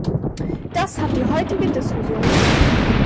Das hat die heutige Diskussion gezeigt.